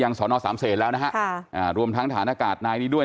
ยังสนสามเสศแล้วนะฮะอ่ารวมทั้งฐานอากาศนายนี้ด้วย